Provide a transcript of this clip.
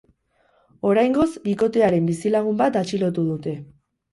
Oraingoz, bikotearen bizilagun bat atxilotu dute.